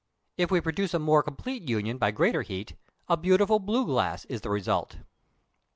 If we produce a more complete union by greater heat, a beautiful blue glass is the result.